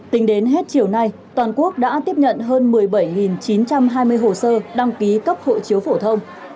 tính đến hết chiều nay toàn quốc đã tiếp nhận hơn một mươi bảy chín trăm hai mươi hồ sơ đăng ký cấp hộ chiếu phổ thông